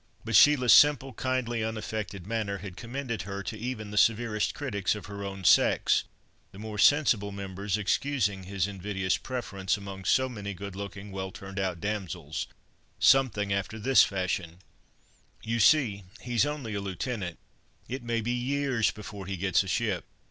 But Sheila's simple, kindly, unaffected manner had commended her to even the severe critics of her own sex, the more sensible members excusing his invidious preference among so many good looking, well turned out damsels, something after this fashion: "You see, he's only a lieutenant; it may be years before he gets a ship.